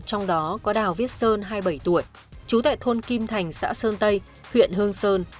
trong đó có đào viết sơn hai mươi bảy tuổi trú tại thôn kim thành xã sơn tây huyện hương sơn